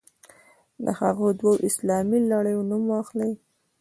د هغو دوو اسلامي لړیو نوم واخلئ.